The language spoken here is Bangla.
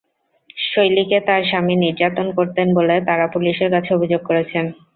শৈলীকে তাঁর স্বামী নির্যাতন করতেন বলে তাঁরা পুলিশের কাছে অভিযোগ করেছেন।